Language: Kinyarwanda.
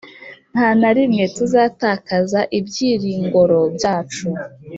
Ntanarimwe tuzatakaza ibyiringoro byacu